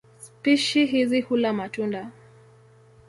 Spishi hizi hula matunda.